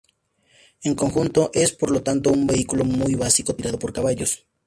En conjunto es, por lo tanto, un vehículo muy básico tirado por caballos.